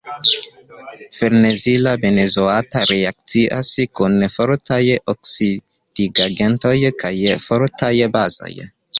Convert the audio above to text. Farnezila benzoato reakcias kun fortaj oksidigagentoj kaj fortaj bazoj.